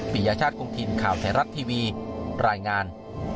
ปริญญาชาติกรุงทีนข่าวแสนรัฐทีวีรายงาน